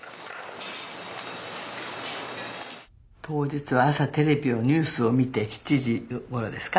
当日朝テレビをニュースを見て７時ごろですか。